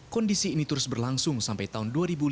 kondisi ini terus berlangsung sampai tahun dua ribu lima belas